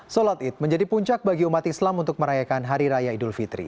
sholat id menjadi puncak bagi umat islam untuk merayakan hari raya idul fitri